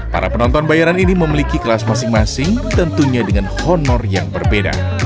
para penonton bayaran ini memiliki kelas masing masing tentunya dengan honor yang berbeda